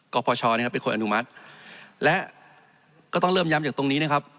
ปปชนะครับเป็นคนอนุมัติและก็ต้องเริ่มย้ำจากตรงนี้นะครับ